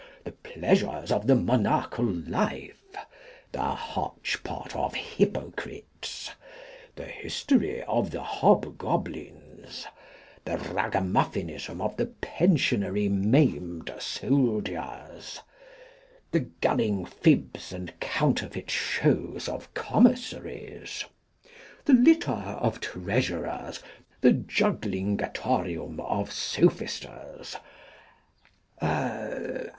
The Pleasures of the Monachal Life. The Hotchpot of Hypocrites. The History of the Hobgoblins. The Ragamuffinism of the pensionary maimed Soldiers. The Gulling Fibs and Counterfeit shows of Commissaries. The Litter of Treasurers. The Juglingatorium of Sophisters.